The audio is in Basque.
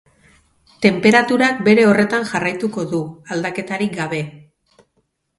Tenperaturak bere horretan jarraituko du, aldaketarik gabe.